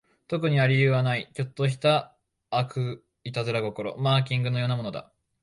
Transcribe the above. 特に理由はない、ちょっとした悪戯心、マーキングのようなものだ